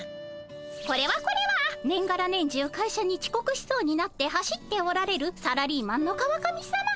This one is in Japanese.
これはこれは年がら年中会社にちこくしそうになって走っておられるサラリーマンの川上さま。